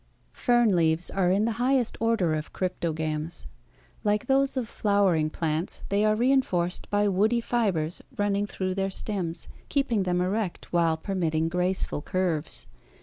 Fern leaves are in the highest order of cryptogams. Like those of flowering plants they are reinforced by woody fibres running through their stems, keeping them erect while permitting graceful curves.